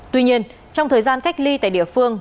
tuy nhiên trong thời gian cách ly tại địa phương